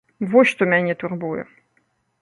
Вось што мяне турбуе.